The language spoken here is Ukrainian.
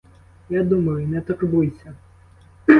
Я думаю, не турбуйся.